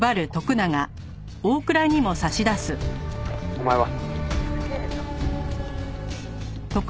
「お前は？」